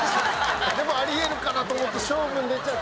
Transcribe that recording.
でもありえるかなと思って勝負に出ちゃったな。